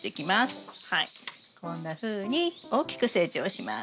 こんなふうに大きく成長します。